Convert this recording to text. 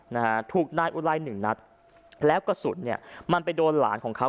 นะฮะถูกนายอุไลหนึ่งนัดแล้วกระสุนเนี่ยมันไปโดนหลานของเขา